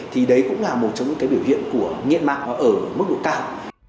thì đấy cũng là một trong những cái biểu hiện của nghiện mạng ở mức độ cao